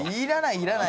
いらない